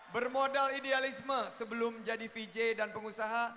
bermodal idealisme sebelum jadi vj dan pengusaha